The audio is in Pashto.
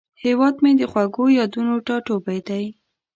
هیواد مې د خوږو یادونو ټاټوبی دی